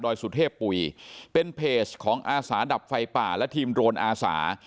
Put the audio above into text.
สุเทพปุ๋ยเป็นเพจของอาสาดับไฟป่าและทีมโรนอาสา